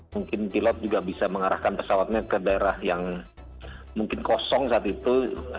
mungkin pilot juga bisa mengarahkan pesawatnya ke daerah yang mungkin kosong saat itu